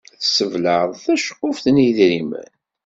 Tessebleɛ taceqquft n yedrimen.